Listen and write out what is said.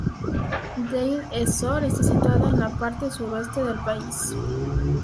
Deir ez-Zor está situado en la parte suroeste del país.